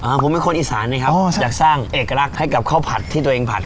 ผมเป็นคนอีสานนะครับอ๋ออยากสร้างเอกลักษณ์ให้กับข้าวผัดที่ตัวเองผัด